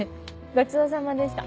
ごちそうさまでした。